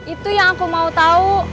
itu yang aku mau tahu